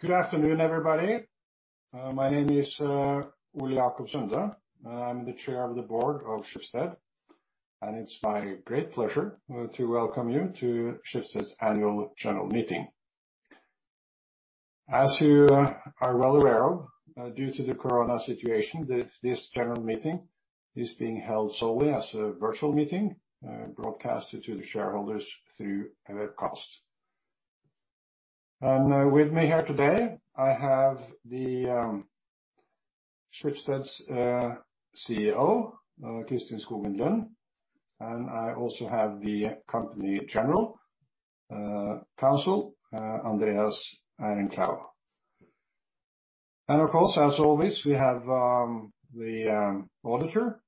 Good afternoon, everybody. My name is Ole Jacob Sunde. I'm the Chair of the board of Schibsted, and it's my great pleasure to welcome you to Schibsted's annual general meeting. As you are well aware of, due to the corona situation, this general meeting is being held solely as a virtual meeting, broadcasted to the shareholders through a webcast. With me here today, I have Schibsted's CEO, Kristin Skogen Lund, and I also have the company General Counsel, Andreas Ehrenclou. Of course, as always, we have the auditor,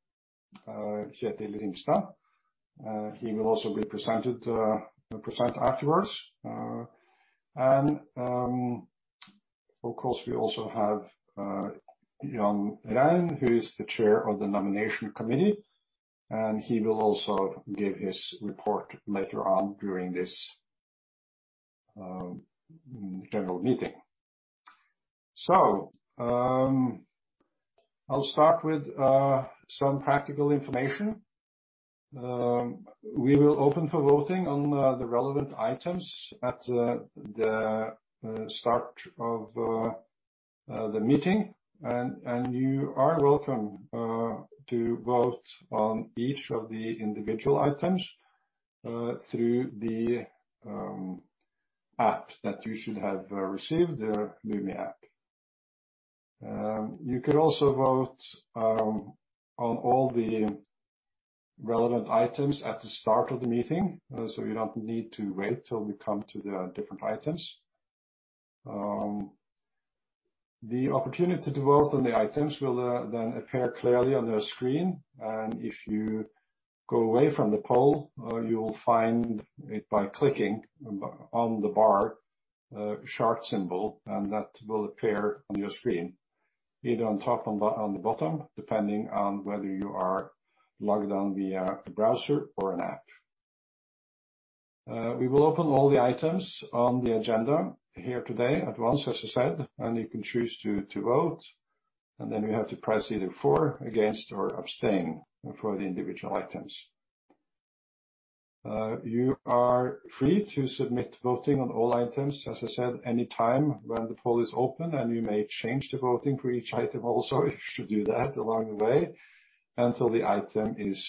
Kjetil Rimstad. He will also be present afterwards. Of course, we also have John A. Rein, who is the chair of the nomination committee, and he will also give his report later on during this general meeting. I'll start with some practical information. We will open for voting on the relevant items at the start of the meeting. You are welcome to vote on each of the individual items through the app that you should have received, the Lumi app. You can also vote on all the relevant items at the start of the meeting, so you don't need to wait till we come to the different items. The opportunity to vote on the items will then appear clearly on your screen, and if you go away from the poll, you will find it by clicking on the bar chart symbol, and that will appear on your screen, either on top or on the bottom, depending on whether you are logged on via a browser or an app. We will open all the items on the agenda here today at once, as I said, and you can choose to vote, and then you have to press either for, against, or abstain for the individual items. You are free to submit voting on all items, as I said, any time when the poll is open, and you may change the voting for each item also if you should do that along the way, until the item is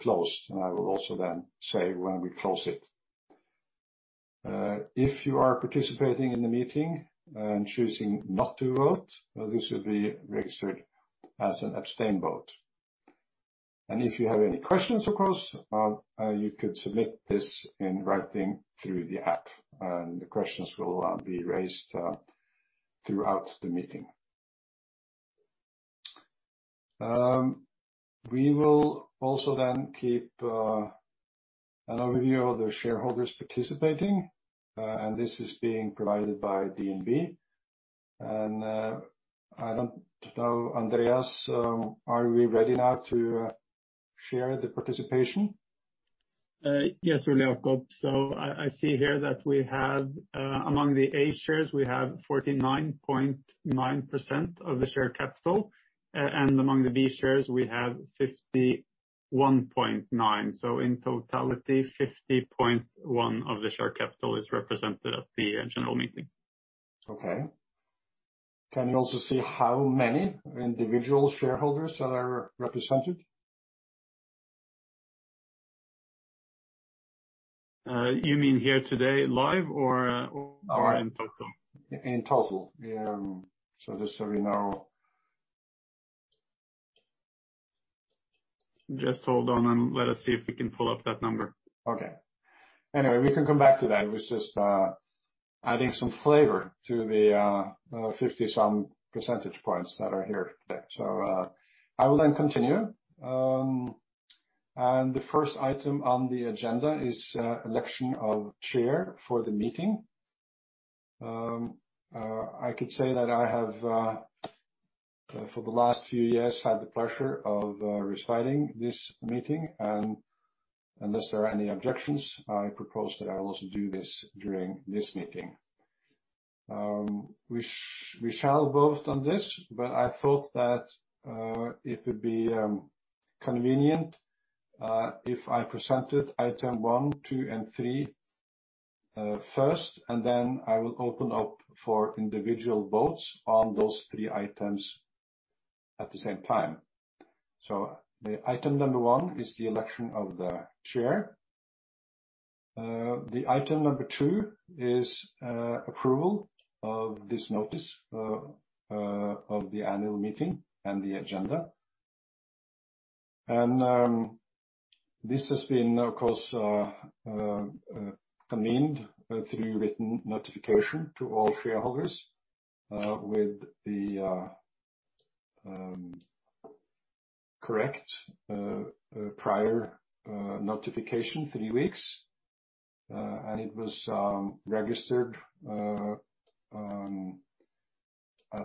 closed. I will also then say when we close it. If you are participating in the meeting and choosing not to vote, this will be registered as an abstain vote. If you have any questions, of course, you could submit this in writing through the app, and the questions will be raised throughout the meeting. We will also then keep an overview of the shareholders participating, and this is being provided by DNB. I don't know, Andreas, are we ready now to share the participation? Yes, Ole Jacob Sunde. I see here that we have, among the A shares, 49.9% of the share capital. And among the B shares, we have 51.9%. In totality, 50.1% of the share capital is represented at the general meeting. Okay. Can you also see how many individual shareholders are represented? You mean here today live or- Uh. in total? In total. Yeah. Just so we know. Just hold on and let us see if we can pull up that number. Okay. Anyway, we can come back to that. It was just adding some flavor to the 50-some percentage points that are here today. I will then continue. The first item on the agenda is election of chair for the meeting. I could say that I have for the last few years had the pleasure of presiding this meeting. Unless there are any objections, I propose that I will also do this during this meeting. We shall vote on this, but I thought that it would be convenient if I presented item one, two, and three first, and then I will open up for individual votes on those three items at the same time. The item number one is the election of the chair. The item number two is approval of this notice of the annual meeting and the agenda. This has been, of course, convened through written notification to all shareholders with the correct prior notification 3 weeks. It was registered at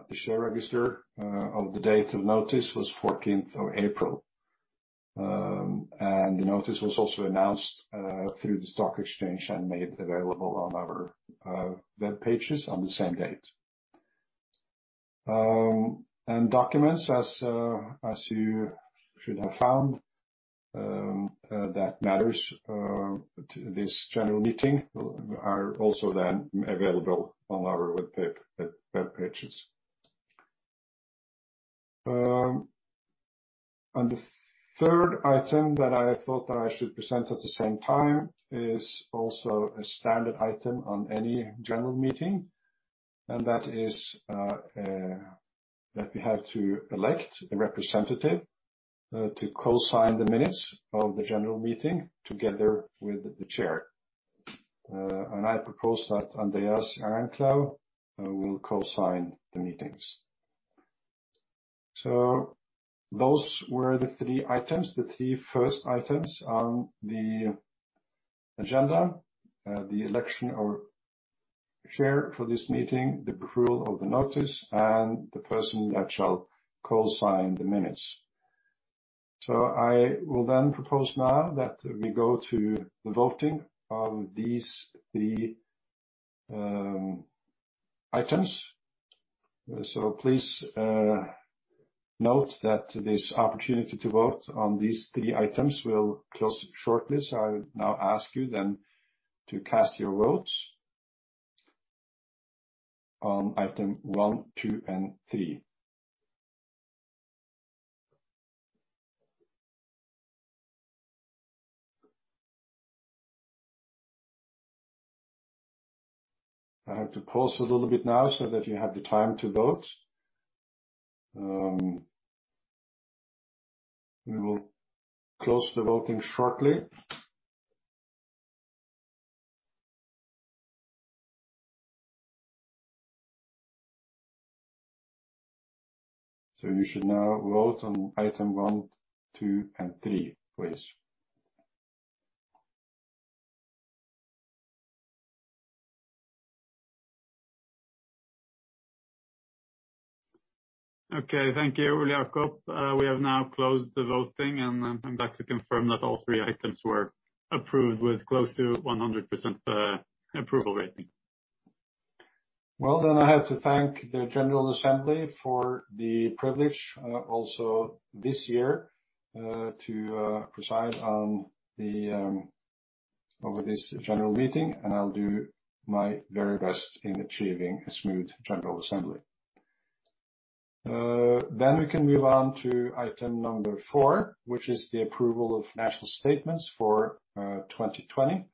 the share register. The date of notice was fourteenth of April. The notice was also announced through the stock exchange and made available on our web pages on the same date. Documents, as you should have found, the matters to this general meeting are also then available on our web pages. The third item that I thought that I should present at the same time is also a standard item on any general meeting. That is that we have to elect a representative to co-sign the minutes of the general meeting together with the chair. I propose that Andreas Ehrenclou will co-sign the minutes. Those were the three items, the three first items on the agenda. The election of the chair for this meeting, the approval of the notice, and the person that shall co-sign the minutes. I will then propose now that we go to the voting on these three items. Please note that this opportunity to vote on these three items will close shortly. I would now ask you then to cast your votes on item one, two, and three. I have to pause a little bit now so that you have the time to vote. We will close the voting shortly. You should now vote on item one, two, and three, please. Okay. Thank you, Ole Jacob Sunde. We have now closed the voting, and I'm glad to confirm that all three items were approved with close to 100% approval rating. Well, I have to thank the general assembly for the privilege, also this year, to preside over this general meeting, and I'll do my very best in achieving a smooth general assembly. We can move on to item number four, which is the approval of financial statements for 2020.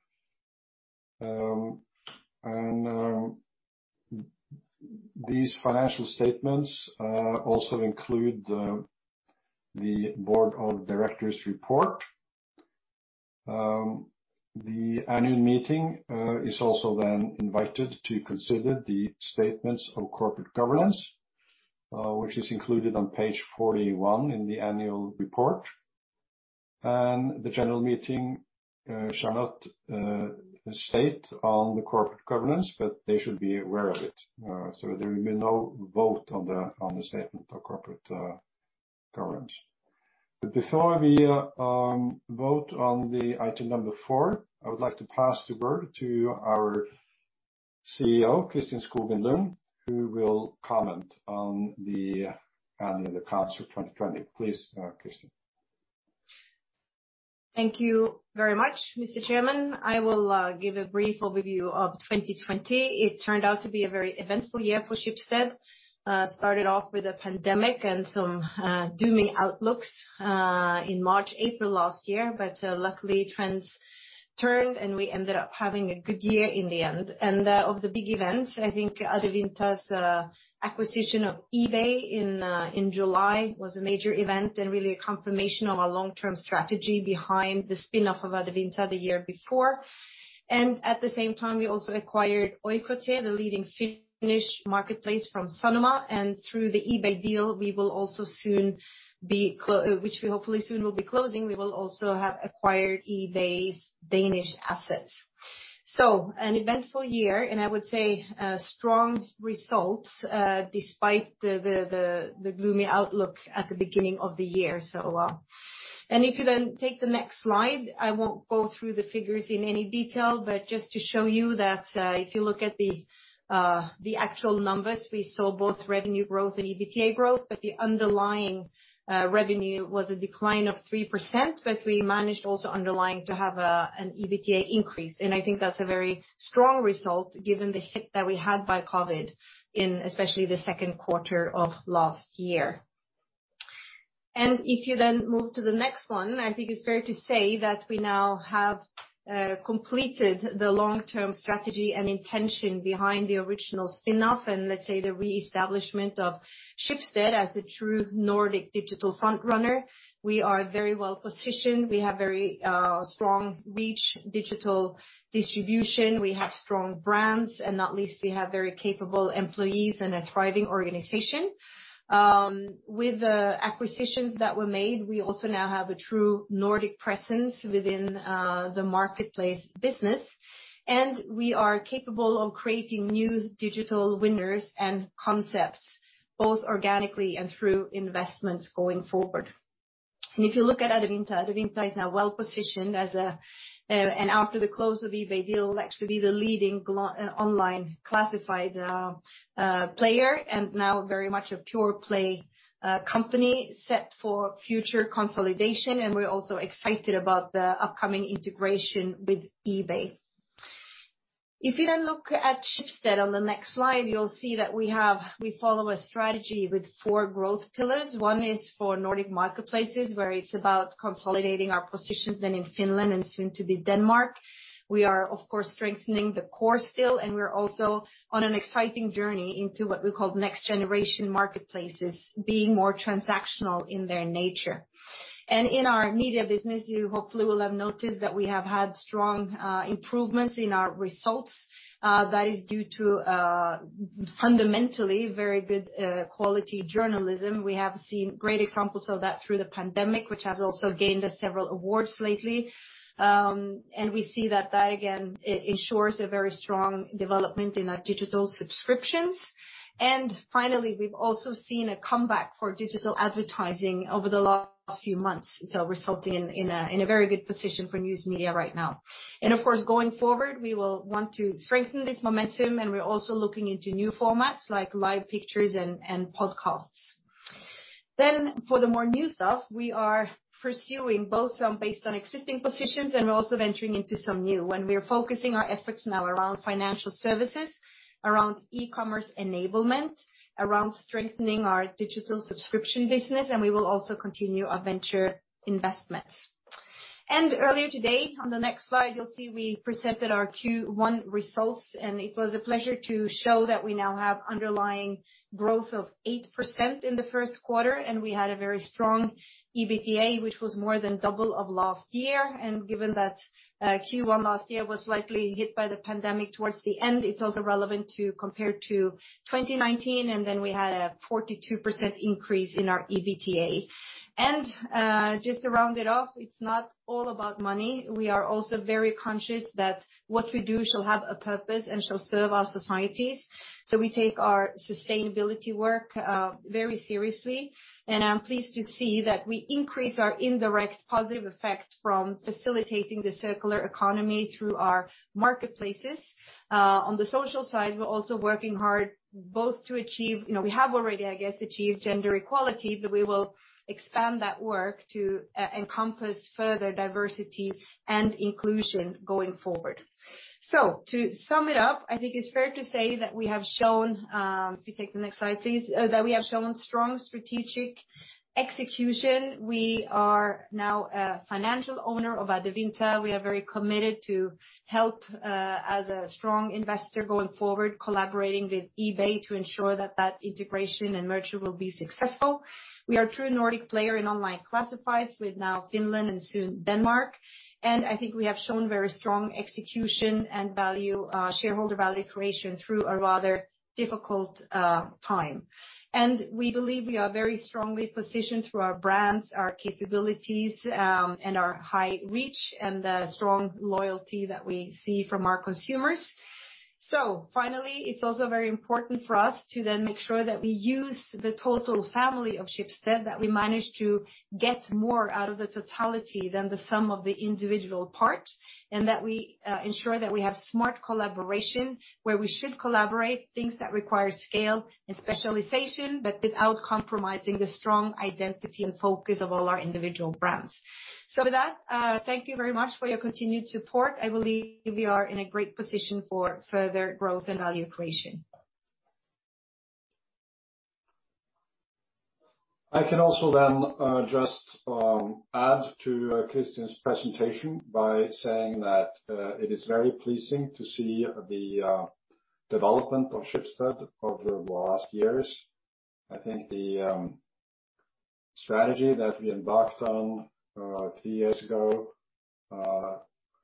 These financial statements also include the board of directors report. The annual meeting is also then invited to consider the statements of corporate governance, which is included on page 41 in the annual report. The general meeting shall not vote on the corporate governance, but they should be aware of it. There will be no vote on the statement of corporate governance. Before we vote on the item number four, I would like to pass the word to our CEO, Kristin Skogen Lund, who will comment on the annual accounts for 2020. Please, Kristin. Thank you very much, Mr. Chairman. I will give a brief overview of 2020. It turned out to be a very eventful year for Schibsted. Started off with a pandemic and some dooming outlooks in March, April last year. Luckily, trends turned, and we ended up having a good year in the end. Of the big events, I think Adevinta's acquisition of eBay in July was a major event and really a confirmation of our long-term strategy behind the spin-off of Adevinta the year before. At the same time, we also acquired Oikotie, the leading Finnish marketplace from Sanoma. Through the eBay deal, which we hopefully soon will be closing, we will also have acquired eBay's Danish assets. An eventful year, and I would say strong results despite the gloomy outlook at the beginning of the year. If you then take the next slide, I won't go through the figures in any detail, but just to show you that if you look at the actual numbers, we saw both revenue growth and EBITDA growth, but the underlying revenue was a decline of 3%, but we managed also underlying to have an EBITDA increase. I think that's a very strong result given the hit that we had by COVID in especially the second quarter of last year. If you then move to the next one, I think it's fair to say that we now have completed the long-term strategy and intention behind the original spin-off and let's say the reestablishment of Schibsted as a true Nordic digital front runner. We are very well-positioned. We have very strong reach in digital distribution. We have strong brands, and not least, we have very capable employees and a thriving organization. With the acquisitions that were made, we also now have a true Nordic presence within the marketplace business. We are capable of creating new digital winners and concepts, both organically and through investments going forward. If you look at Adevinta is now well-positioned, and after the close of eBay deal, will actually be the leading global online classified player. Now very much a pure play, company set for future consolidation, and we're also excited about the upcoming integration with eBay. If you then look at Schibsted on the next slide, you'll see that we follow a strategy with four growth pillars. One is for Nordic marketplaces, where it's about consolidating our positions then in Finland and soon to be Denmark. We are, of course, strengthening the core still, and we're also on an exciting journey into what we call next generation marketplaces, being more transactional in their nature. In our media business, you hopefully will have noticed that we have had strong improvements in our results. That is due to fundamentally very good quality journalism. We have seen great examples of that through the pandemic, which has also gained us several awards lately. We see that again, it ensures a very strong development in our digital subscriptions. Finally, we've also seen a comeback for digital advertising over the last few months, so resulting in a very good position for news media right now. Of course, going forward, we will want to strengthen this momentum, and we're also looking into new formats like live pictures and podcasts. For the more new stuff, we are pursuing both some based on existing positions and we're also venturing into some new. We are focusing our efforts now around financial services, around e-commerce enablement, around strengthening our digital subscription business, and we will also continue our venture investments. Earlier today, on the next slide, you'll see we presented our Q1 results, and it was a pleasure to show that we now have underlying growth of 8% in the first quarter, and we had a very strong EBITDA, which was more than double of last year. Given that Q1 last year was likely hit by the pandemic towards the end, it's also relevant to compare to 2019, and then we had a 42% increase in our EBITDA. Just to round it off, it's not all about money. We are also very conscious that what we do shall have a purpose and shall serve our societies. We take our sustainability work very seriously. I'm pleased to see that we increase our indirect positive effect from facilitating the circular economy through our marketplaces. On the social side, we're also working hard both to achieve, you know, we have already, I guess, achieved gender equality, but we will expand that work to encompass further diversity and inclusion going forward. To sum it up, I think it's fair to say that we have shown, if you take the next slide, please, that we have shown strong strategic execution. We are now a financial owner of Adevinta. We are very committed to help as a strong investor going forward, collaborating with eBay to ensure that that integration and merger will be successful. We are a true Nordic player in online classifieds with now Finland and soon Denmark. I think we have shown very strong execution and value shareholder value creation through a rather difficult time. We believe we are very strongly positioned through our brands, our capabilities, and our high reach and the strong loyalty that we see from our consumers. Finally, it's also very important for us to then make sure that we use the total family of Schibsted, that we manage to get more out of the totality than the sum of the individual parts, and that we ensure that we have smart collaboration where we should collaborate, things that require scale and specialization, but without compromising the strong identity and focus of all our individual brands. With that, thank you very much for your continued support. I believe we are in a great position for further growth and value creation. I can also then just add to Kristin's presentation by saying that it is very pleasing to see the development of Schibsted over the last years. I think the strategy that we embarked on three years ago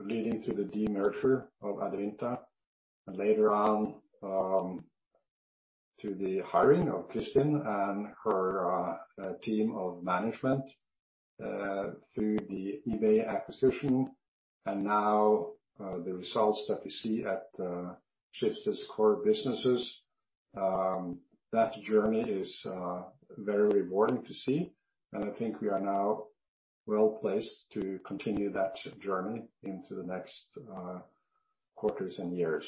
leading to the de-merger of Adevinta and later on to the hiring of Kristin and her team of management through the eBay acquisition and now the results that we see at Schibsted's core businesses that journey is very rewarding to see. I think we are now well-placed to continue that journey into the next quarters and years.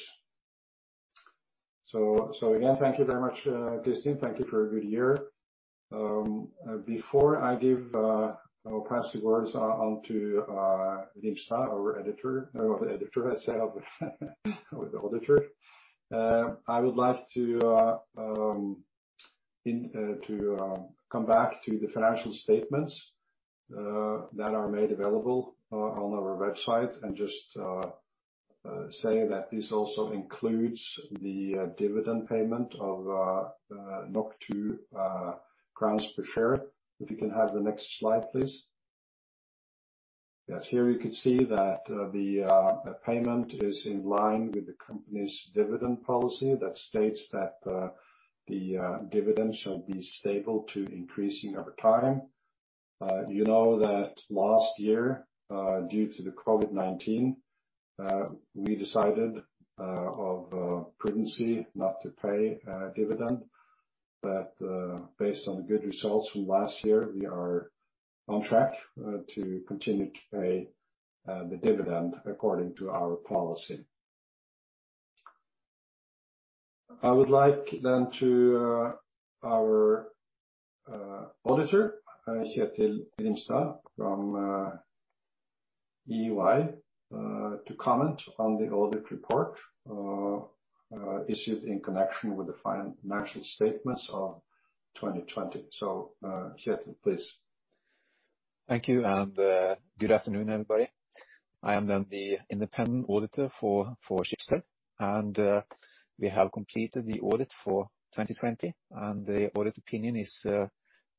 Again, thank you very much, Kristin. Thank you for a good year. Before I give or pass the words on to our auditor. I would like to come back to the financial statements that are made available on our website and just say that this also includes the dividend payment of 2 crowns per share. If you can have the next slide, please. Yes. Here you can see that the payment is in line with the company's dividend policy that states that the dividend shall be stable to increasing over time. Last year, due to the COVID-19, we decided out of prudence not to pay dividend. Based on good results from last year, we are on track to continue to pay the dividend according to our policy. I would like then to our auditor, Kjetil Rimstad from EY, to comment on the audit report issued in connection with the financial statements of 2020. Kjetil, please. Thank you. Good afternoon, everybody. I am then the independent auditor for Schibsted, and we have completed the audit for 2020, and the audit opinion is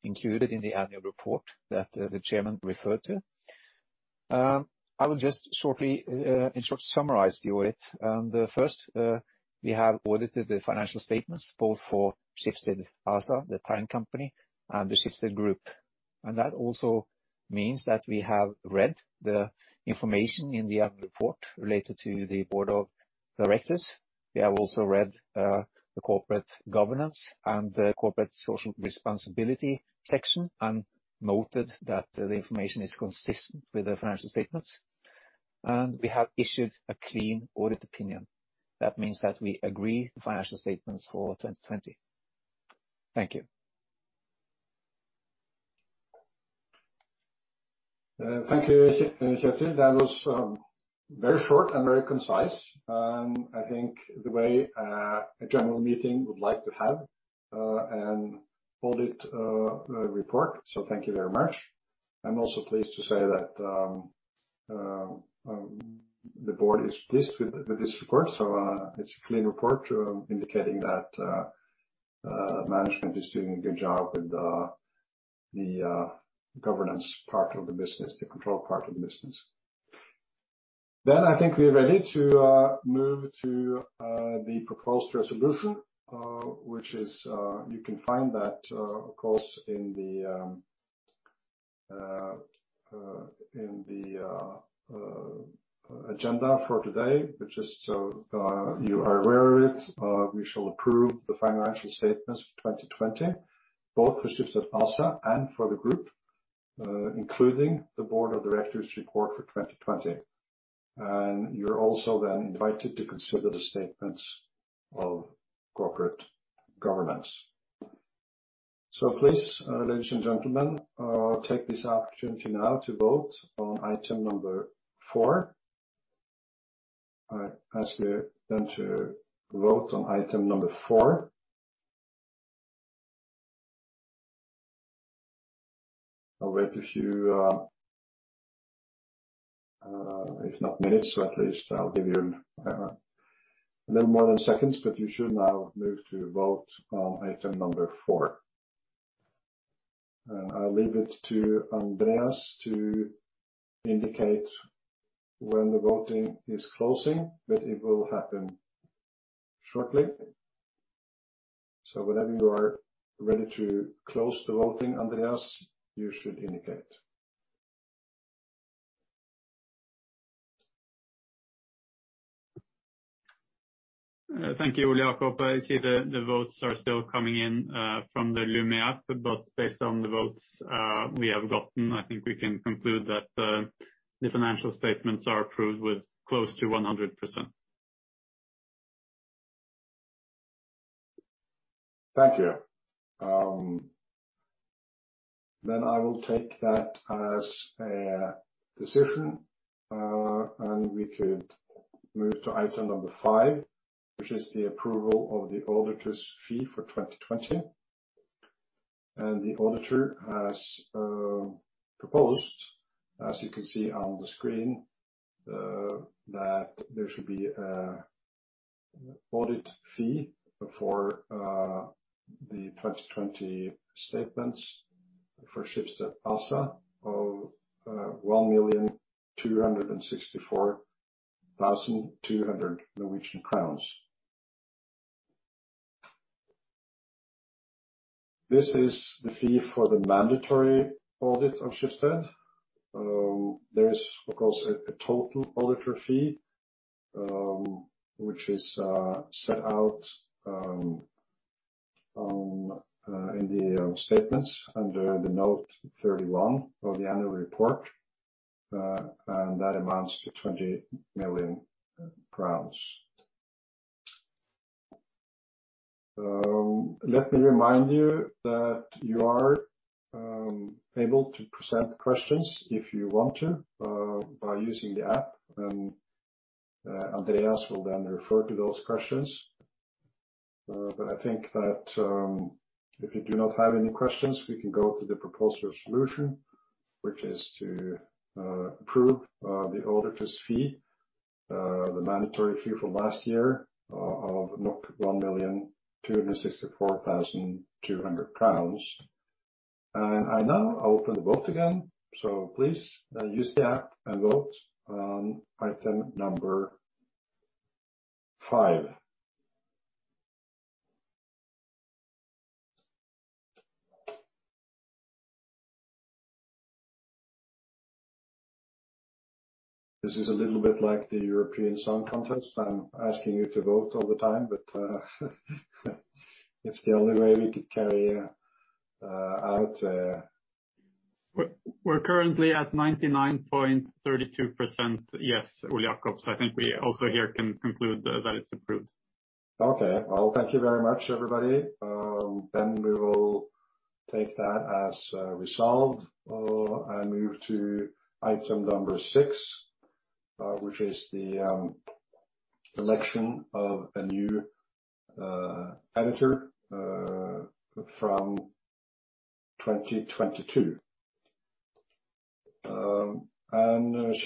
included in the annual report that the chairman referred to. I will just shortly, in short, summarize the audit. The first, we have audited the financial statements both for Schibsted ASA, the parent company, and the Schibsted Group. That also means that we have read the information in the annual report related to the board of directors. We have also read the corporate governance and the corporate social responsibility section and noted that the information is consistent with the financial statements. We have issued a clean audit opinion. That means that we agree the financial statements for 2020. Thank you. Thank you, Kjetil. That was very short and very concise, and I think the way a general meeting would like to have an audit report. Thank you very much. I'm also pleased to say that the board is pleased with this report. It's a clean report indicating that management is doing a good job with the governance part of the business, the control part of the business. I think we're ready to move to the proposed resolution, which is you can find that, of course, in the agenda for today, which is you are aware of it. We shall approve the financial statements for 2020, both for Schibsted ASA and for the Group, including the Board of Directors report for 2020. You're also then invited to consider the statements of corporate governance. Please, ladies and gentlemen, take this opportunity now to vote on item number four. I ask you then to vote on item number four. I'll wait a few, if not minutes, at least I'll give you a little more than seconds, but you should now move to vote on item number four. I'll leave it to Andreas to indicate when the voting is closing, but it will happen shortly. Whenever you are ready to close the voting, Andreas, you should indicate. Thank you, Ole Jacob Sunde. I see the votes are still coming in from the Lumi app. Based on the votes we have gotten, I think we can conclude that the financial statements are approved with close to 100%. Thank you. I will take that as a decision. We could move to item number five, which is the approval of the auditor's fee for 2020. The auditor has proposed, as you can see on the screen, that there should be an audit fee for the 2020 statements for Schibsted ASA of NOK 1,264,200. This is the fee for the mandatory audit of Schibsted. There is, of course, a total auditor fee, which is set out in the statements under note 31 of the annual report. That amounts to NOK 20 million. Let me remind you that you are able to present questions if you want to by using the app, and Andreas will then refer to those questions. I think that if you do not have any questions, we can go to the proposed resolution, which is to approve the auditor's fee, the mandatory fee from last year of 1,264,200 crowns. I now open the vote again. Please use the app and vote on item number five. This is a little bit like the Eurovision Song Contest. I'm asking you to vote all the time, but it's the only way we could carry out. We're currently at 99.32%, yes, Ole Jacob. I think we also here can conclude that it's approved. Okay. Well, thank you very much, everybody. We will take that as resolved. We move to item number six, which is the election of a new auditor from 2022.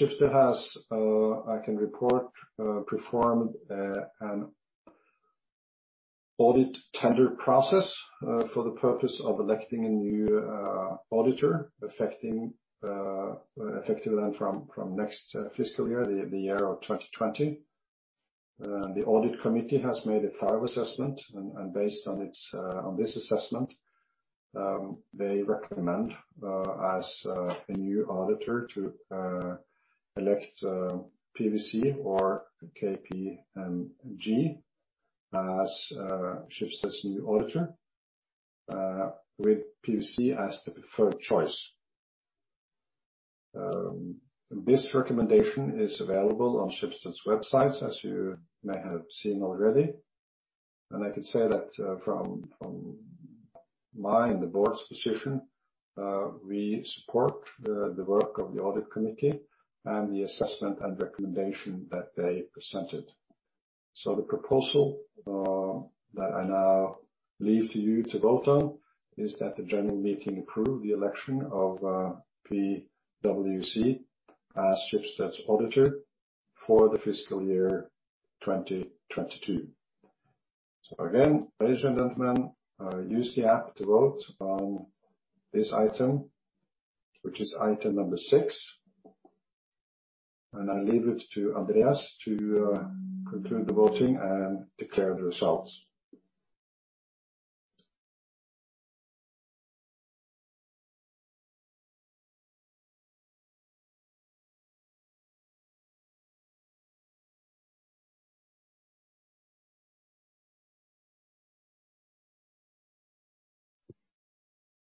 Schibsted has, I can report, performed an audit tender process for the purpose of electing a new auditor effective from next fiscal year, the year of 2020. The audit committee has made a thorough assessment and based on this assessment, they recommend as a new auditor to elect PwC or KPMG as Schibsted's new auditor, with PwC as the preferred choice. This recommendation is available on Schibsted's websites, as you may have seen already. I can say that, from my and the board's position, we support the work of the audit committee and the assessment and recommendation that they presented. The proposal that I now leave to you to vote on is that the general meeting approve the election of PwC as Schibsted's auditor for the fiscal year 2022. Again, ladies and gentlemen, use the app to vote on this item, which is item number six. I leave it to Andreas to conclude the voting and declare the results.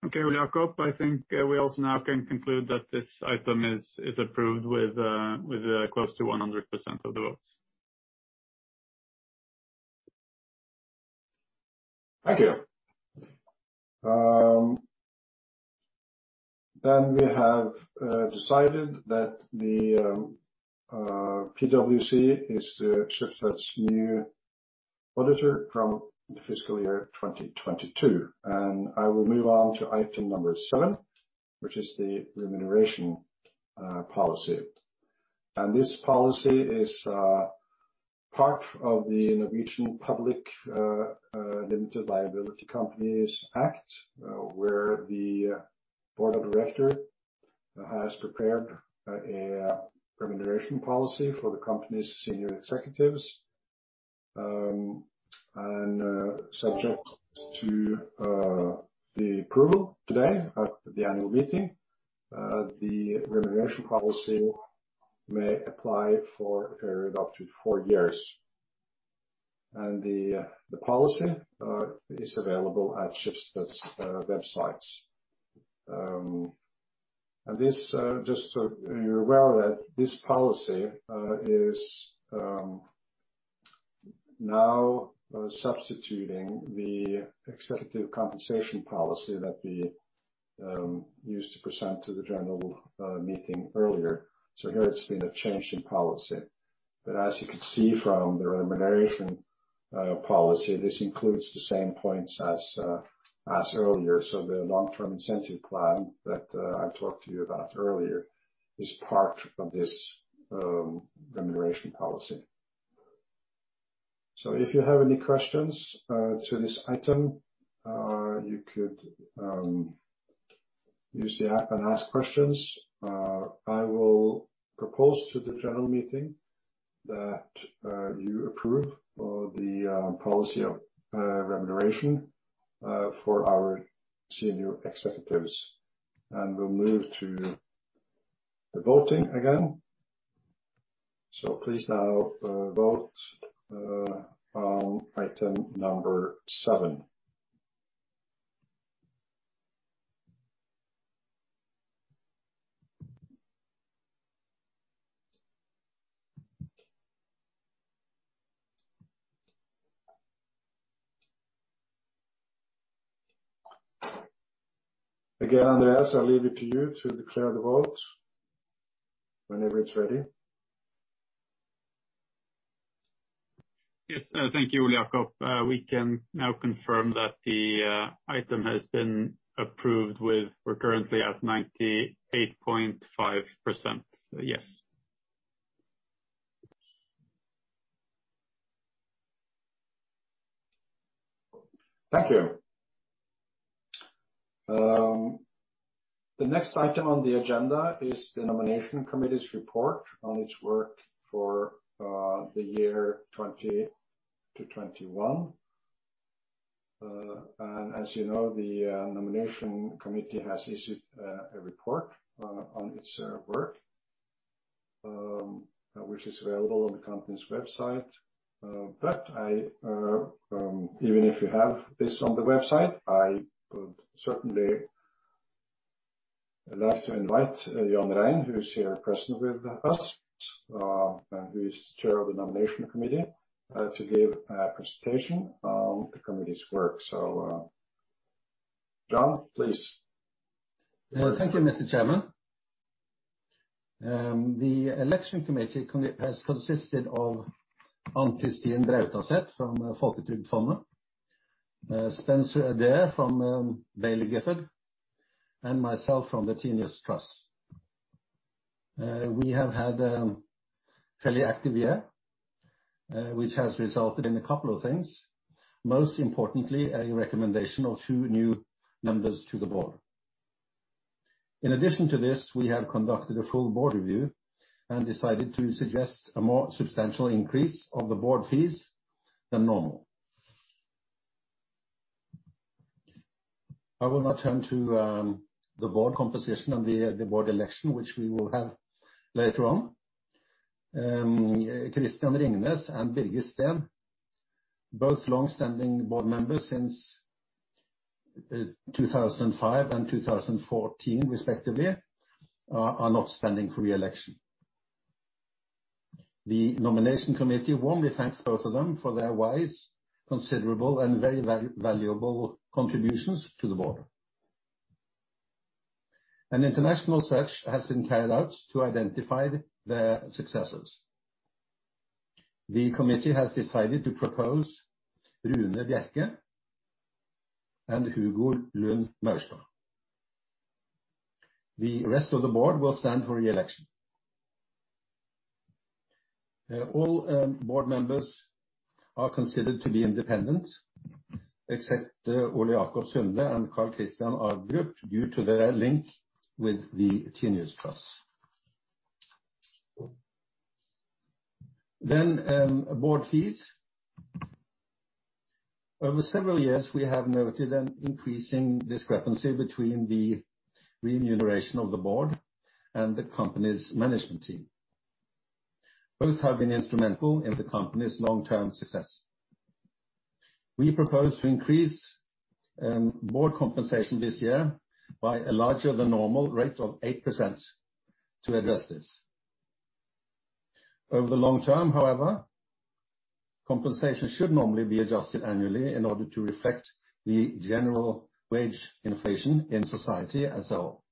Okay, Ole Jacob. I think we also now can conclude that this item is approved with close to 100% of the votes. Thank you. We have decided that the PwC is the Schibsted's new auditor from the fiscal year 2022. I will move on to item number seven, which is the remuneration policy. This policy is part of the Norwegian Public Limited Liability Companies Act where the board of director has prepared a remuneration policy for the company's senior executives. Subject to the approval today at the annual meeting, the remuneration policy may apply for a period up to 4 years. The policy is available at Schibsted's websites. This just so you're aware that this policy is now substituting the executive compensation policy that we used to present to the general meeting earlier. Here it's been a change in policy. As you can see from the remuneration policy, this includes the same points as earlier. The long-term incentive plan that I talked to you about earlier is part of this remuneration policy. If you have any questions to this item, you could use the app and ask questions. I will propose to the general meeting that you approve of the policy of remuneration for our senior executives. We'll move to the voting again. Please now vote on item number seven. Again, Andreas, I'll leave it to you to declare the votes whenever it's ready. Yes. Thank you, Ulrik. We can now confirm that the item has been approved. We're currently at 98.5% yes. Thank you. The next item on the agenda is the nomination committee's report on its work for the year 2020 to 2021. As you know, the nomination committee has issued a report on its work, which is available on the company's website. Even if you have this on the website, I would certainly like to invite John A. Rein, who is here present with us, and who is chair of the nomination committee, to give a presentation on the committee's work. John, please. Well, thank you, Mr. Chairman. The election committee has consisted of Ann-Kristin Brautaset from Folketrygdfondet, Spencer Adair from Baillie Gifford, and myself from the Tinius Trust. We have had a fairly active year, which has resulted in a couple of things, most importantly, a recommendation of two new members to the board. In addition to this, we have conducted a full board review and decided to suggest a more substantial increase of the board fees than normal. I will now turn to the board composition and the board election, which we will have later on. Christian Ringnes and Birger Steen, both long-standing board members since 2005 and 2014 respectively, are not standing for re-election. The nomination committee warmly thanks both of them for their wise, considerable, and very valuable contributions to the board. An international search has been carried out to identify their successors. The committee has decided to propose Rune Bjerke and Hugo Maurstad. The rest of the board will stand for re-election. All board members are considered to be independent, except Ole Jacob Sunde and Karl-Christian Agerup, due to their link with the Tinius Trust. Board fees. Over several years, we have noted an increasing discrepancy between the remuneration of the board and the company's management team. Both have been instrumental in the company's long-term success. We propose to increase board compensation this year by a larger than normal rate of 8% to address this. Over the long term, however, compensation should normally be adjusted annually in order to reflect the general wage inflation in society as a whole.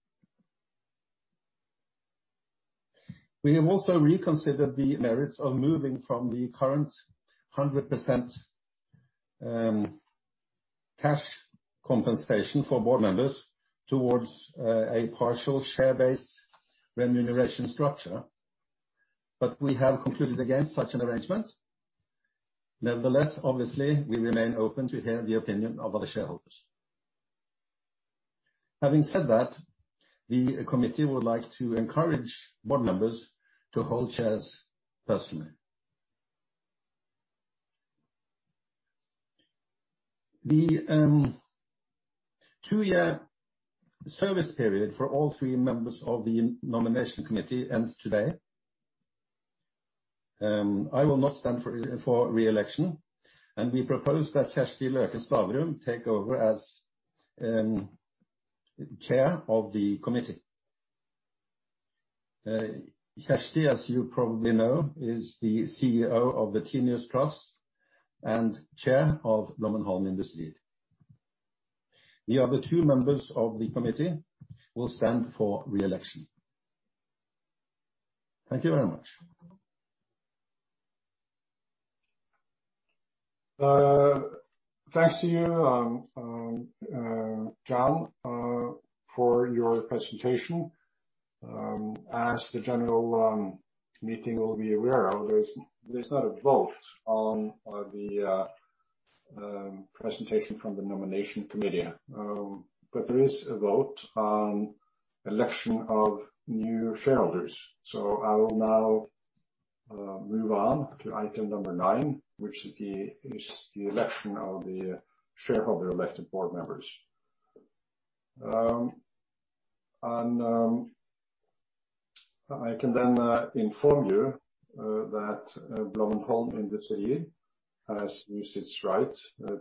We have also reconsidered the merits of moving from the current 100% cash compensation for board members towards a partial share-based remuneration structure. We have concluded against such an arrangement. Nevertheless, obviously, we remain open to hear the opinion of other shareholders. Having said that, the committee would like to encourage board members to hold shares personally. The two-year service period for all three members of the nomination committee ends today. I will not stand for re-election, and we propose that Kjersti Løken Stavrum take over as chair of the committee. Kjersti, as you probably know, is the CEO of the Tinius Trust and Chair of Blommenholm Industrier. The other two members of the committee will stand for re-election. Thank you very much. Thanks to you, John, for your presentation. As the general meeting will be aware of, there's not a vote on the presentation from the Nomination Committee. There is a vote on election of new shareholders. I will now move on to item number nine, which is the election of the shareholder-elected Board members. I can then inform you that Blommenholm Industrier has used its right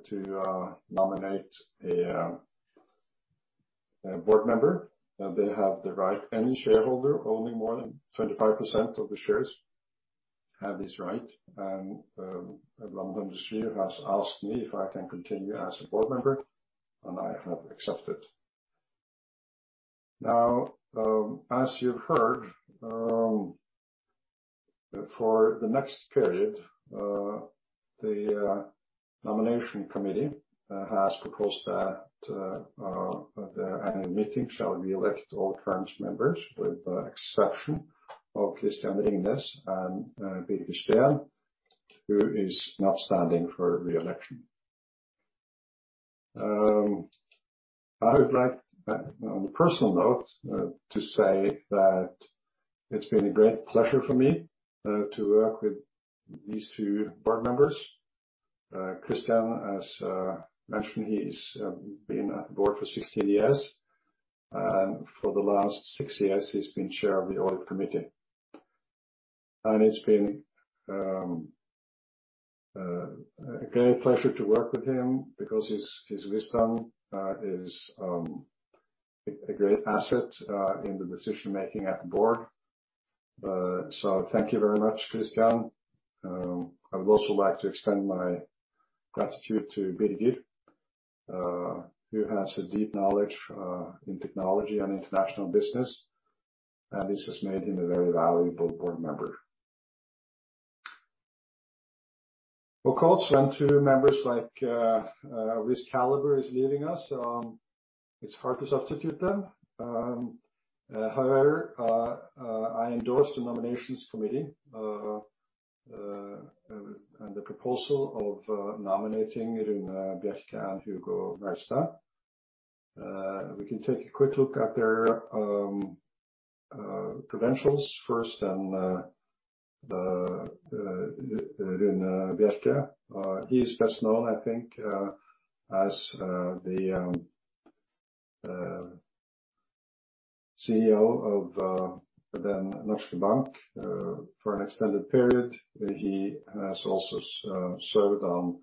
to nominate a Board member. They have the right. Any shareholder owning more than 25% of the shares have this right. Blommenholm Industrier has asked me if I can continue as a Board member, and I have accepted. Now, as you've heard, for the next period, the nomination committee has proposed that the annual meeting shall re-elect all current members, with the exception of Christian Ringnes and Birger Steen, who is not standing for re-election. I would like, on a personal note, to say that it's been a great pleasure for me to work with these two board members. Christian, as mentioned, he's been at the board for 16 years. For the last 6 years, he's been chair of the audit committee. It's been a great pleasure to work with him because his wisdom is a great asset in the decision-making at the board. Thank you very much, Christian. I would also like to extend my gratitude to Birger Steen, who has a deep knowledge in technology and international business, and this has made him a very valuable board member. Of course, when two members like this caliber is leaving us, it's hard to substitute them. However, I endorse the Nomination Committee and the proposal of nominating Rune Bjerke and Hugo Maurstad. We can take a quick look at their credentials first, and Rune Bjerke. He's best known, I think, as the CEO of DNB Bank for an extended period. He has also served on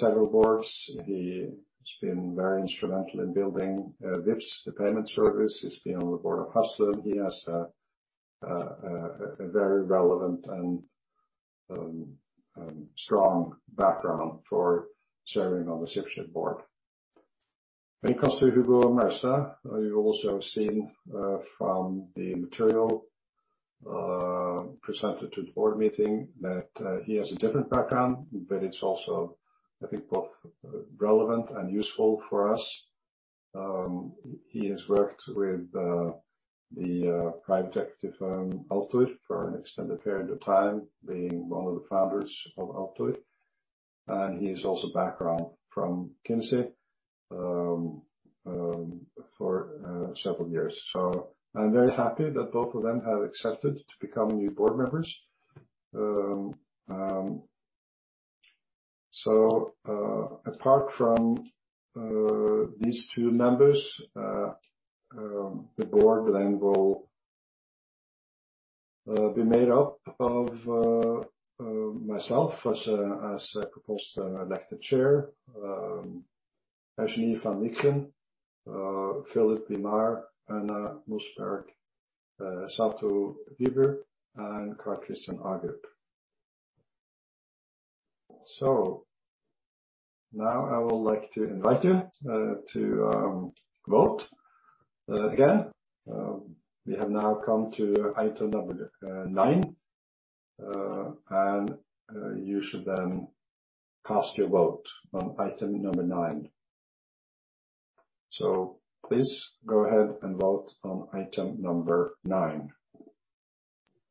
several boards. He has been very instrumental in building Vipps, the payment service. He's been on the board of Husqvarna. He has a very relevant and strong background for serving on the Schibsted board. When it comes to Hugo Maurstad, you also have seen from the material presented to the board meeting that he has a different background. It's also, I think, both relevant and useful for us. He has worked with the private equity firm Altor for an extended period of time, being one of the founders of Altor. He has also background from McKinsey for several years. I'm very happy that both of them have accepted to become new board members. Apart from these two members, the board then will be made up of myself as proposed elected chair, Eugénie van Wiechen, Philippe Limal, Anna Mossberg, Satu Huber, and Karl-Christian Agerup. Now I would like to invite you to vote again. We have now come to item number nine. You should then cast your vote on item number nine. Please go ahead and vote on item number nine.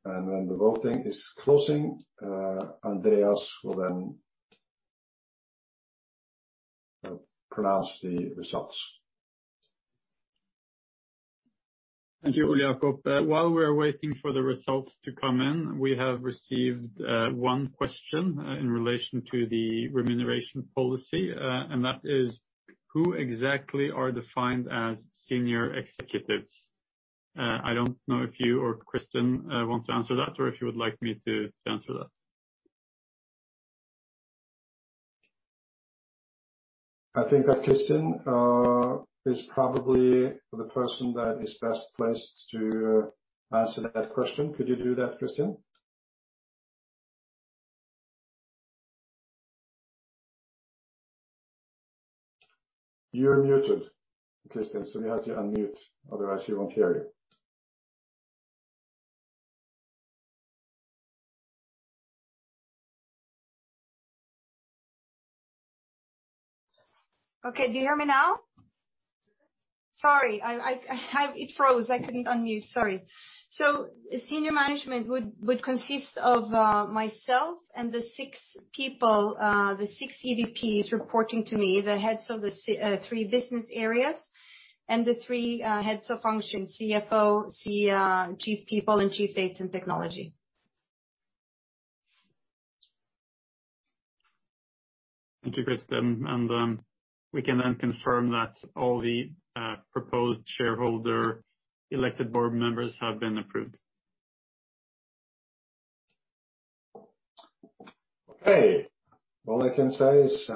When the voting is closing, Andreas will then pronounce the results. Thank you, Ole Jacob. While we're waiting for the results to come in, we have received one question in relation to the remuneration policy. That is, who exactly are defined as senior executives? I don't know if you or Kristin want to answer that, or if you would like me to answer that. I think that Kristin is probably the person that is best placed to answer that question. Could you do that, Kristin? You're muted, Kristin, so we have to unmute, otherwise you won't hear you. Okay, do you hear me now? Sorry, it froze. I couldn't unmute. Sorry. Senior management would consist of myself and the six people, the six EVPs reporting to me, the heads of the three business areas and the three heads of function, CFO, CTO, chief people, and chief data and technology. Thank you, Kristin. We can then confirm that all the proposed shareholder elected board members have been approved. Okay. All I can say is,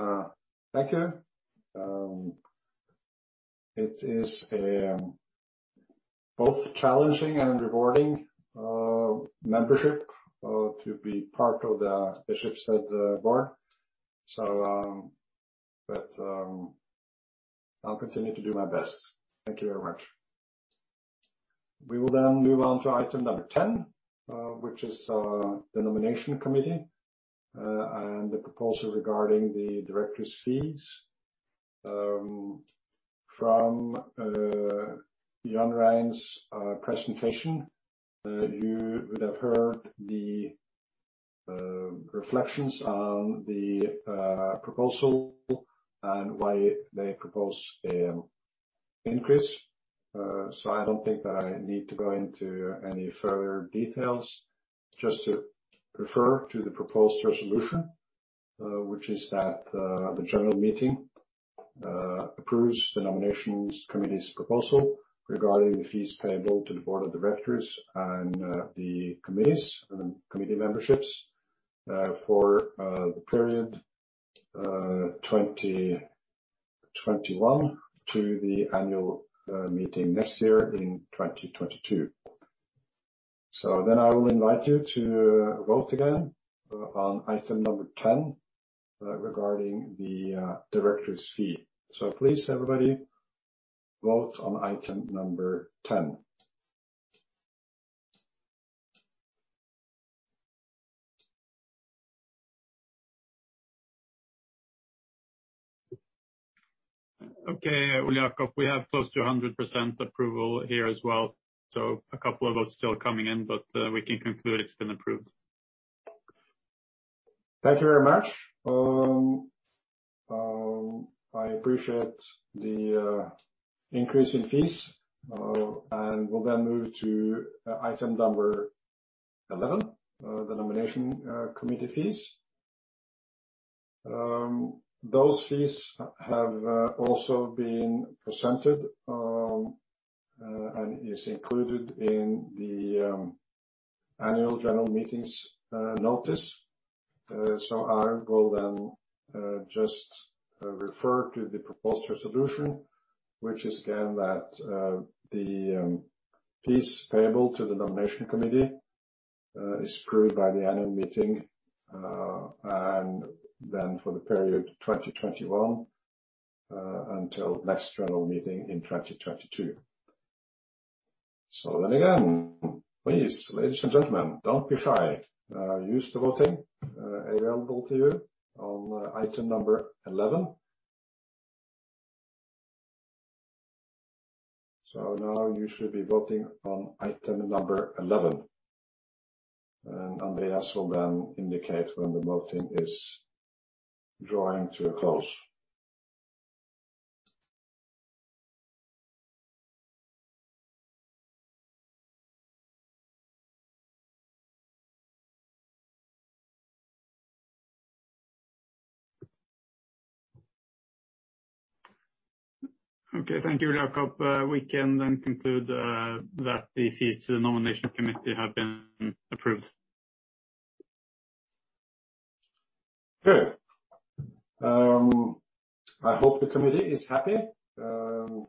thank you. It is both challenging and rewarding membership to be part of the Schibsted board. I'll continue to do my best. Thank you very much. We will then move on to item number 10, which is the nomination committee and the proposal regarding the director's fees. From John A. Rein's presentation, you would have heard the reflections on the proposal and why they propose increase. I don't think that I need to go into any further details. Just to refer to the proposed resolution, which is that the general meeting approves the nomination committee's proposal regarding the fees payable to the board of directors and the committees and committee memberships for the period 2021 to the annual meeting next year in 2022. I will invite you to vote again on item number 10 regarding the director's fee. Please, everybody, vote on item number 10. Okay, Ole Jacob Sunde. We have close to 100% approval here as well. A couple of votes still coming in, but we can conclude it's been approved. Thank you very much. I appreciate the increase in fees. We'll then move to item number 11, the nomination committee fees. Those fees have also been presented and is included in the annual general meeting's notice. I will then just refer to the proposed resolution, which is again that the fees payable to the nomination committee is approved by the annual meeting for the period 2021 until next general meeting in 2022. Again, please, ladies and gentlemen, don't be shy. Use the voting available to you on item number 11. Now you should be voting on item number 11. Andreas will then indicate when the voting is drawing to a close. Okay. Thank you, Ole Jacob Sunde. We can then conclude that the fees to the nomination committee have been approved. I hope the committee is happy. I'm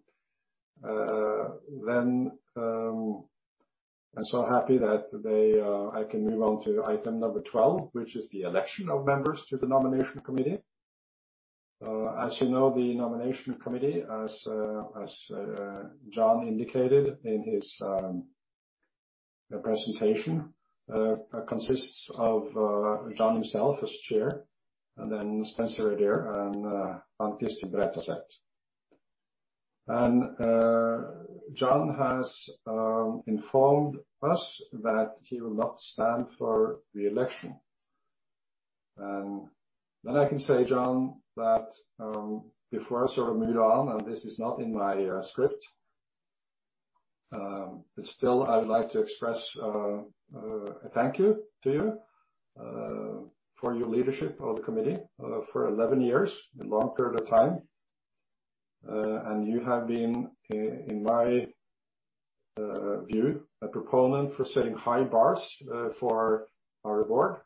so happy that I can move on to item number 12, which is the election of members to the nomination committee. As you know, the nomination committee, as John indicated in his presentation, consists of John himself as chair and then Spencer Adair and Ann Kristin Brautaset. John has informed us that he will not stand for re-election. I can say, John, that before I sort of move on, and this is not in my script, but still, I would like to express a thank you to you for your leadership of the committee for 11 years, a long period of time. You have been in my view a proponent for setting high bars for our board,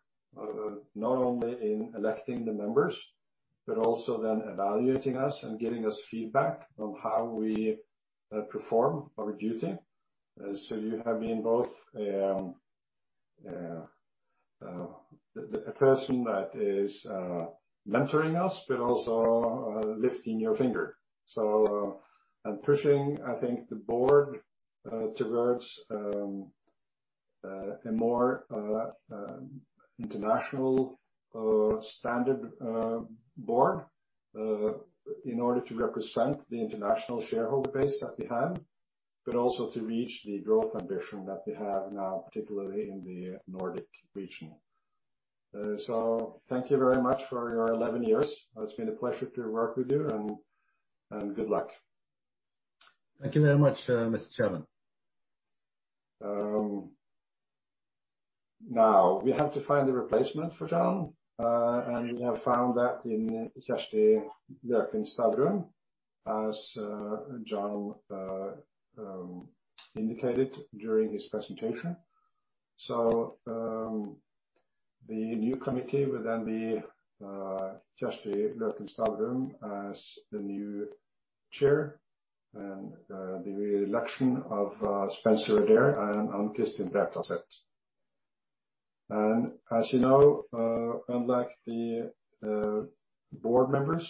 not only in electing the members, but also then evaluating us and giving us feedback on how we perform our duty. You have been both a person that is mentoring us, but also lifting your finger and pushing, I think the board towards a more international standard board in order to represent the international shareholder base that we have, but also to reach the growth ambition that we have now, particularly in the Nordic region. Thank you very much for your 11 years. It's been a pleasure to work with you and good luck. Thank you very much, Mr. Chairman. Now we have to find a replacement for John, and we have found that in Kjersti Løken Stavrum, as John indicated during his presentation. The new committee will then be Kjersti Løken Stavrum as the new chair and the reelection of Spencer Adair and Ann-Kristin Brautaset. As you know, unlike the board members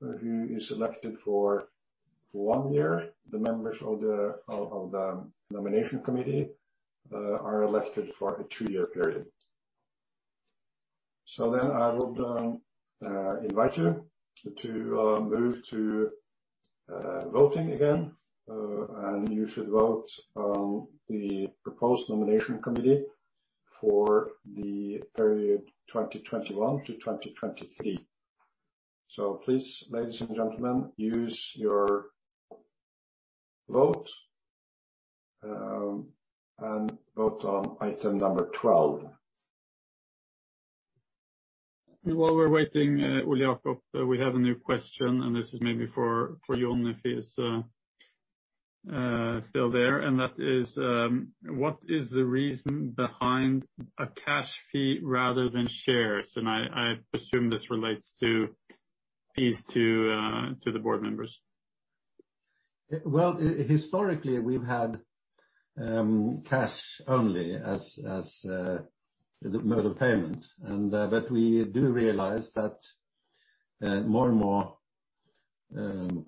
who is elected for one year, the members of the Nomination Committee are elected for a two-year period. I would invite you to move to voting again. You should vote on the proposed Nomination Committee for the period 2021 to 2023. Please, ladies and gentlemen, use your vote and vote on item number 12. While we're waiting, William, we have a new question, and this is maybe for John if he is still there. That is, what is the reason behind a cash fee rather than shares? I assume this relates to fees to the board members. Well, historically, we've had cash only as the mode of payment and but we do realize that more and more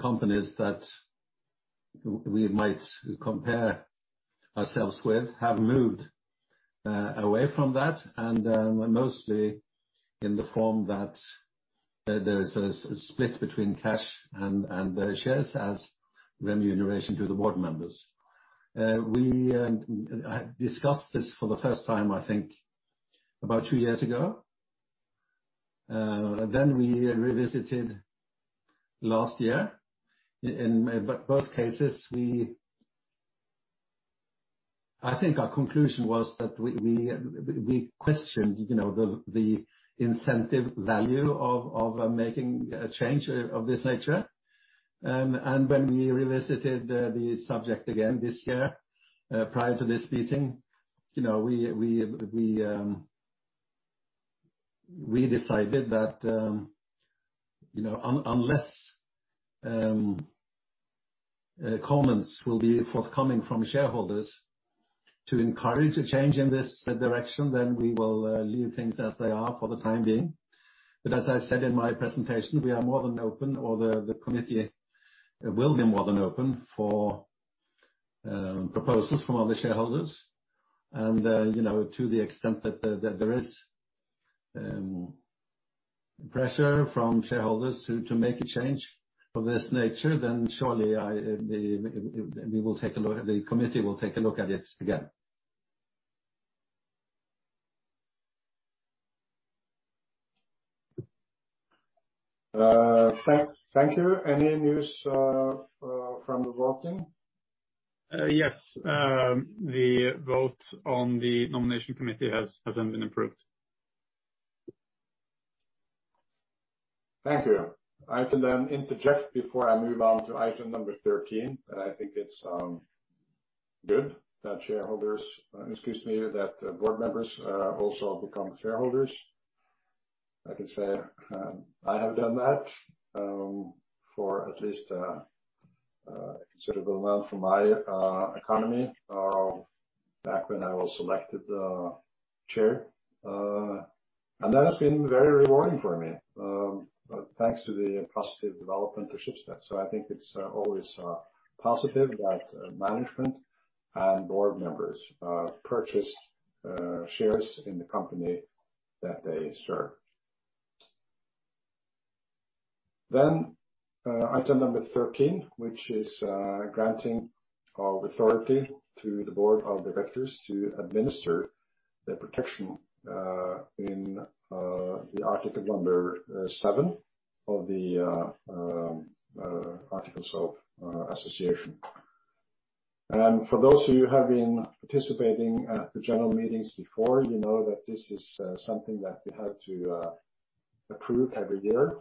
companies that we might compare ourselves with have moved away from that, and mostly in the form that there is a split between cash and shares as remuneration to the board members. We discussed this for the first time, I think, about two years ago. Then we revisited last year. In both cases, I think our conclusion was that we questioned, you know, the incentive value of making a change of this nature. When we revisited the subject again this year, prior to this meeting, you know, we decided that, you know, unless comments will be forthcoming from shareholders to encourage a change in this direction, then we will leave things as they are for the time being. As I said in my presentation, we are more than open or the committee will be more than open for proposals from other shareholders. You know, to the extent that there is pressure from shareholders to make a change of this nature, then surely we will take a look, the committee will take a look at it again. Thank you. Any news from the voting? Yes. The vote on the nomination committee has been approved. Thank you. I can interject before I move on to item number 13, and I think it's good that board members also become shareholders. I can say I have done that for at least considerable amount for my economy back when I was elected Chair. That has been very rewarding for me thanks to the positive development of Schibsted. I think it's always positive that management and board members purchase shares in the company that they serve. Item number 13, which is granting of authority to the board of directors to administer the protection in the article number seven of the articles of association. For those of you who have been participating at the general meetings before, you know that this is something that we have to approve every year.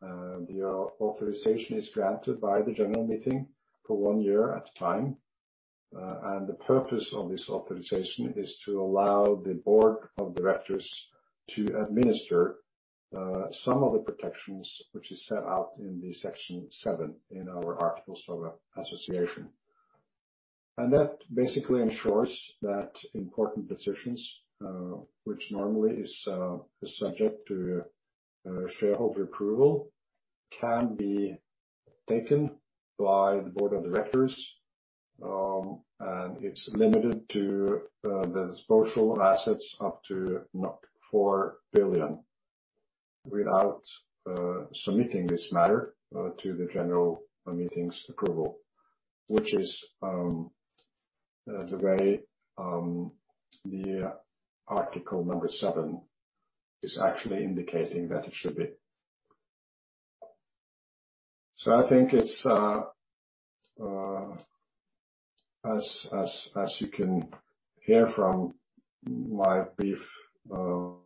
The authorization is granted by the general meeting for one year at a time. The purpose of this authorization is to allow the board of directors to administer some of the protections which is set out in the section seven in our articles of association. That basically ensures that important decisions which normally is subject to shareholder approval can be taken by the board of directors. It's limited to the disposal of assets up to 4 billion without submitting this matter to the general meeting's approval, which is the way the article number seven is actually indicating that it should be. I think it's as you can hear from my brief run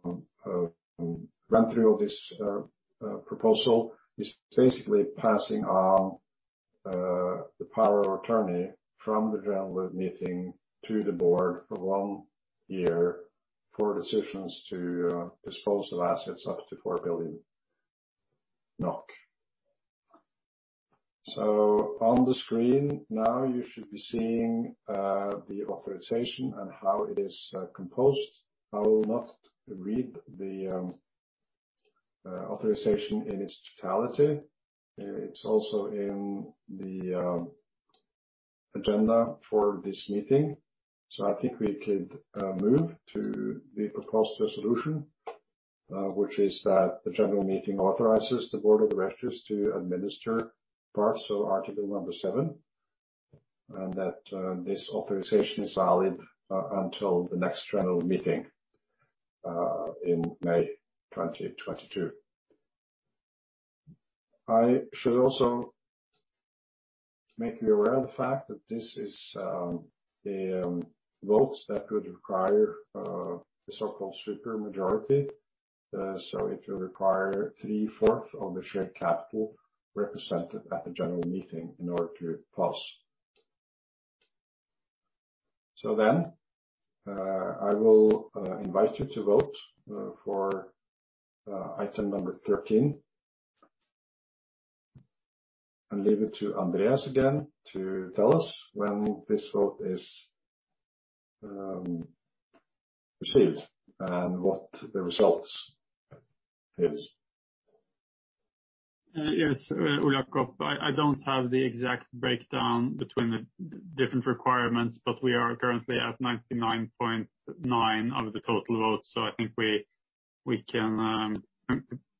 through of this proposal is basically passing on the power of attorney from the general meeting to the board for one year for decisions to dispose of assets up to NOK 4 billion. On the screen now, you should be seeing the authorization and how it is composed. I will not read the authorization in its totality. It's also in the agenda for this meeting. I think we could move to the proposed resolution, which is that the general meeting authorizes the board of directors to administer parts of article number seven, and that this authorization is valid until the next general meeting in May 2022. I should also make you aware of the fact that this is a vote that would require the so-called supermajority. It will require three-fourths of the share capital represented at the general meeting in order to pass. I will invite you to vote for item 13. Leave it to Andreas again to tell us when this vote is received and what the results is. Ole Jacob Sunde. I don't have the exact breakdown between the different requirements, but we are currently at 99.9% of the total votes. I think we can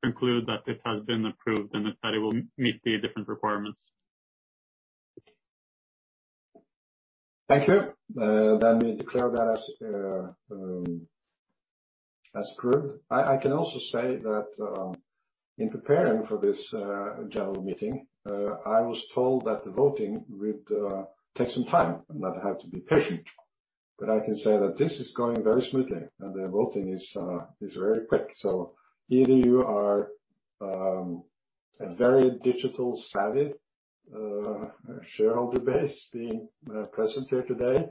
conclude that it has been approved and that it will meet the different requirements. Thank you. We declare that as approved. I can also say that in preparing for this general meeting I was told that the voting would take some time and that I have to be patient. I can say that this is going very smoothly, and the voting is very quick. Either you are a very digitally savvy shareholder base being present here today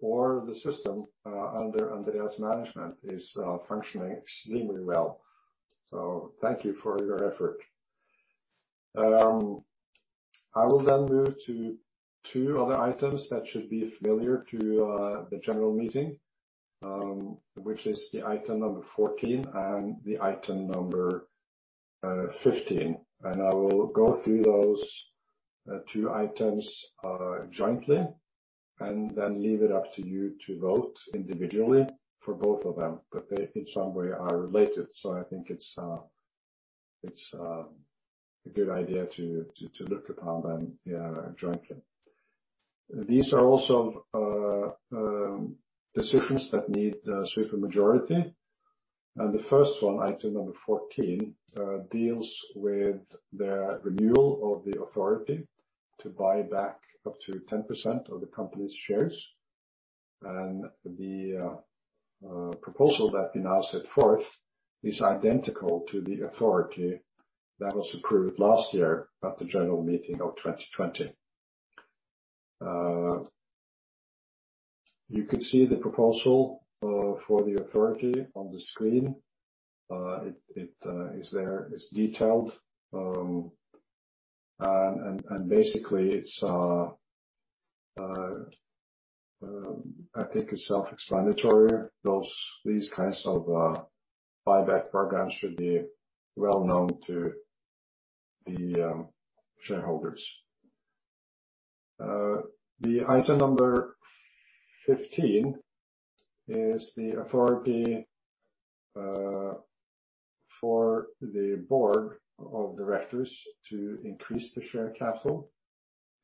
or the system under Andreas management is functioning extremely well. Thank you for your effort. I will then move to two other items that should be familiar to the general meeting, which is the item number 14 and the item number 15. I will go through those two items jointly and then leave it up to you to vote individually for both of them. They in some way are related, so I think it's a good idea to look upon them jointly. These are also decisions that need a supermajority. The first one, item number 14, deals with the renewal of the authority to buy back up to 10% of the company's shares. The proposal that we now set forth is identical to the authority that was approved last year at the general meeting of 2020. You can see the proposal for the authority on the screen. It is there. It's detailed. Basically, it's self-explanatory. These kinds of buyback programs should be well known to the shareholders. The item number 15 is the authority for the board of directors to increase the share capital.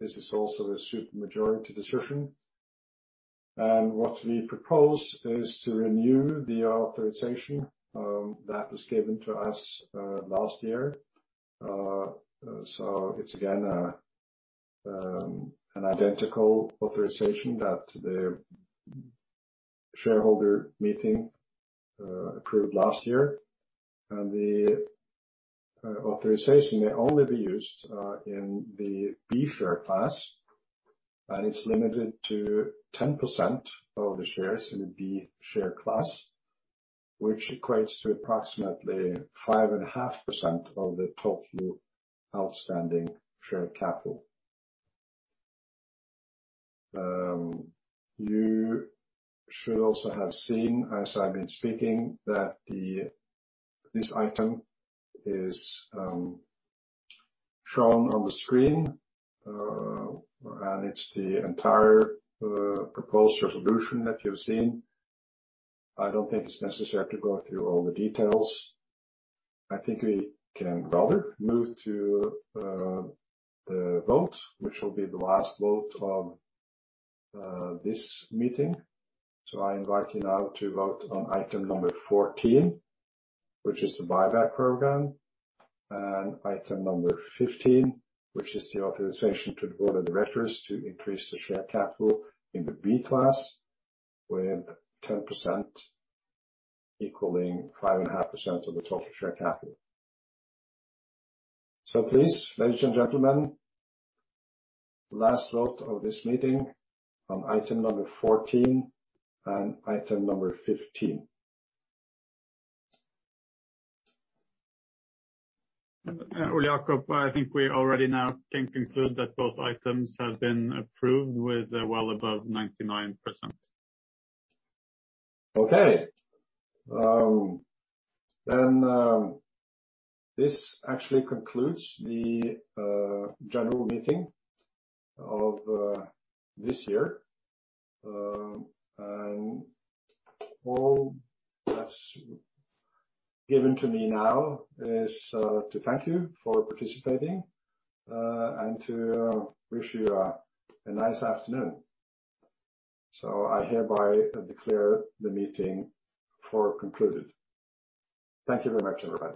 This is also a supermajority decision. What we propose is to renew the authorization that was given to us last year. It's again an identical authorization that the shareholder meeting approved last year. The authorization may only be used in the B share class, and it's limited to 10% of the shares in the B share class, which equates to approximately 5.5% of the total outstanding share capital. You should also have seen, as I've been speaking, that this item is shown on the screen, and it's the entire proposed resolution that you've seen. I don't think it's necessary to go through all the details. I think we can rather move to the vote, which will be the last vote on this meeting. I invite you now to vote on item number 14, which is the buyback program, and item number 15, which is the authorization to the board of directors to increase the share capital in the B class with 10% equaling 5.5% of the total share capital. Please, ladies and gentlemen, last vote of this meeting on item number 14 and item number 15. Ole Jacob Sunde, I think we already now can conclude that both items have been approved with well above 99%. Okay. This actually concludes the general meeting of this year. All that's given to me now is to thank you for participating and to wish you a nice afternoon. I hereby declare the meeting for concluded. Thank you very much, everybody.